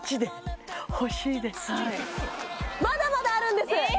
まだまだあるんですえ！？